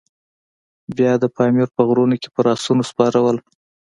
بیا د پامیر په غرونو کې پر آسونو سپاره وو.